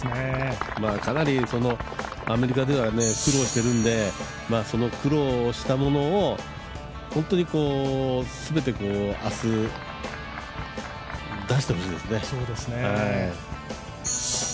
かなりアメリカでは苦労しているんで、その苦労をしたものを本当に全て明日、出してほしいですね。